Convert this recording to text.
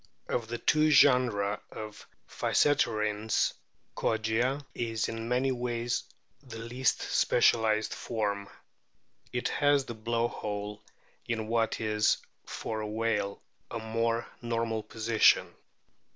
Of the two genera of Physeterines, Kogia is in many ways the least specialised form. It has the blow hole in what is (for a whale) a more normal position.